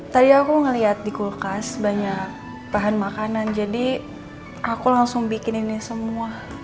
tadi aku ngeliat di kulkas banyak bahan makanan jadi aku langsung bikin ini semua